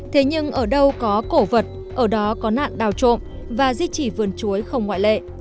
thế nhưng ở đâu có cổ vật ở đó có nạn đào trộm và di trì vườn chuối không ngoại lệ